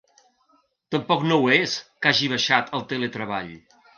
Tampoc no ho és que hagi baixat el teletreball.